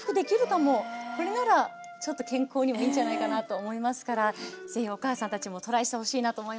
これならちょっと健康にもいいんじゃないかなと思いますから是非お母さんたちもトライしてほしいなと思います。